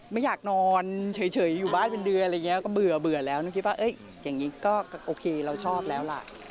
ไม่อยากนอนเฉยอยู่บ้านเป็นเดือนอะไรอย่างนี้ก็เบื่อแล้ว